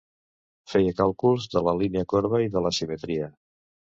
Feia càlculs de la línia corba i de l'asimetria.